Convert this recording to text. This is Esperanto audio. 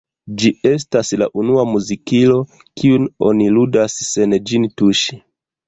Ĝi estas la unua muzikilo, kiun oni ludas sen ĝin tuŝi.